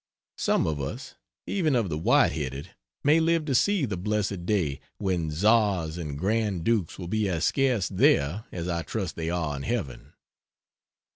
Some of us, even of the white headed, may live to see the blessed day when Czars and Grand Dukes will be as scarce there as I trust they are in heaven.